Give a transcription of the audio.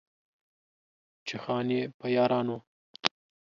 چې خان يې، په يارانو